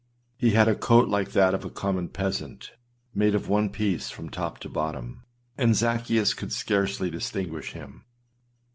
He had a coat like that of a common peasant, made of one piece from top to bottom; and Zaccheus could scarcely distinguish him.